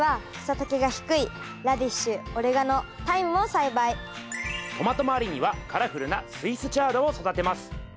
プランターのトマト周りにはカラフルなスイスチャードを育てます。